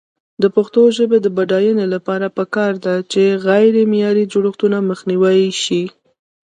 د پښتو ژبې د بډاینې لپاره پکار ده چې غیرمعیاري جوړښتونه مخنیوی شي.